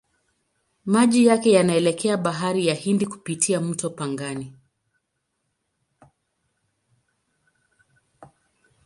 Maji yake yanaelekea Bahari ya Hindi kupitia mto Pangani.